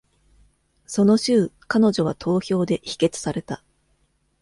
その週、彼女は投票で否決された。